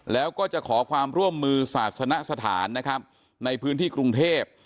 แล้วก็จะขอความร่วมมือศาสนสถานนะครับในพื้นที่กรุงเทพ